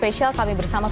terima kasih terboysar